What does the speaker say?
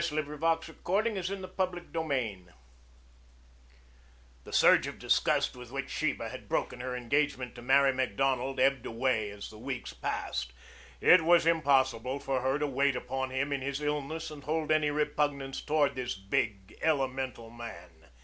CHAPTER XXI A NEW WAY OF LEAVING A HOUSE The surge of disgust with which Sheba had broken her engagement to marry Macdonald ebbed away as the weeks passed. It was impossible for her to wait upon him in his illness and hold any repugnance toward this big, elemental man.